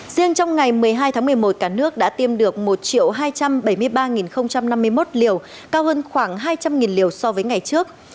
riêng trong ngày một mươi hai tháng một mươi một cả nước đã tiêm được một hai trăm bảy mươi ba năm mươi một liều cao hơn khoảng hai trăm linh liều so với ngày trước